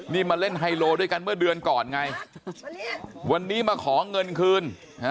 นี่มาเล่นไฮโลด้วยกันเมื่อเดือนก่อนไงวันนี้มาขอเงินคืน